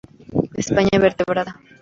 España vertebrada".